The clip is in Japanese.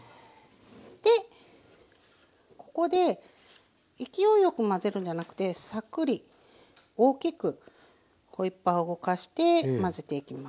でここで勢いよく混ぜるんじゃなくてサクリ大きくホイッパーを動かして混ぜていきます。